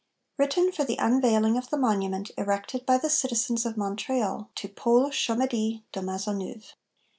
(_Written for the unveiling of the Monument erected by the Citizens of Montreal to Paul Chomedy de Maisonneuve.